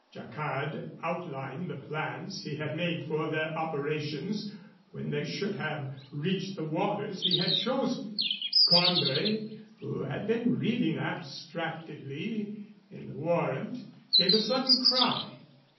Jacquard outlined the plans he had made for their operations when they should have reached the waters he had chosen. Cornbury, who had been reading abstractedly in the warrant, gave a sudden cry.